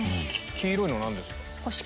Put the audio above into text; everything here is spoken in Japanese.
黄色いの何ですか？